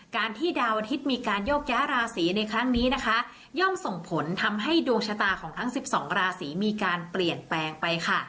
การที่ดาวอาทิตย์มีการโยกย้ายราศีในครั้งนี้นะคะย่อมส่งผลทำให้ดวงชะตาของทั้ง๑๒ราศีมีการเปลี่ยนแปลงไปค่ะ